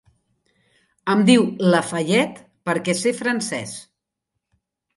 Em diu Lafayette, perquè sé francès.